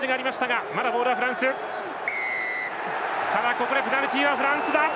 ここでペナルティーはフランスだ。